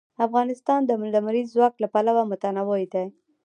افغانستان د لمریز ځواک له پلوه متنوع دی.